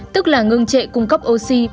tức là ngừng chệ cung cấp oxy